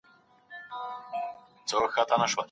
ښایي هغه اوږده پاڼه ډنډ ته یوسي.